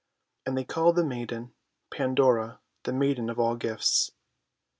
And they called the maiden :< Pandora," the maiden of all gifts.